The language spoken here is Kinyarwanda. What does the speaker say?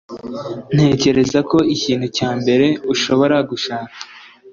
Ntekereza ko ikintu cya mbere ushobora gushaka